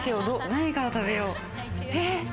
何から食べよう。